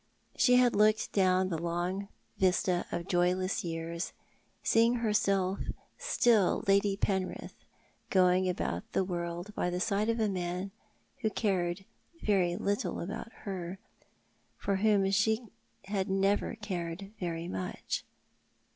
She had looked down the long vista of joyless years, seeing herself still Lady Penrith, going about the world by the side of a man who cared very little about her, and for whom she had never cared very much.